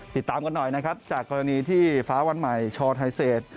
ติดตามกันหน่อยนะครับจากกรณีที่ฟ้าวันใหม่ชอไทเศษ